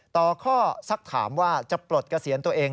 ต่อข้อสักถามว่าจะปลดเกษียณตัวเอง